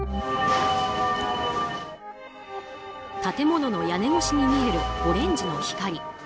建物の屋根越しに見えるオレンジの光。